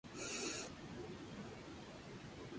Admite casi todas las elaboraciones propias del pescado.